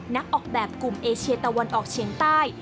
นักออกแบบกลุ่มเอเชียตะวันออกเชียงใต้